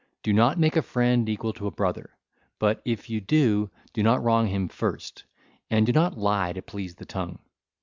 Do not make a friend equal to a brother; but if you do, do not wrong him first, and do not lie to please the tongue.